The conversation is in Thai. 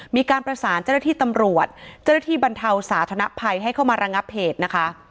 มีการประสานเจ้าหน้าที่ตำรวจเจ้าหน้าที่บรรเทาสาธนภัยให้เข้ามาระงับเหตุนะคะ